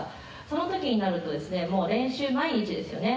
そのときになると、もう練習毎日ですよね。